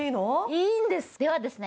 いいんですではですね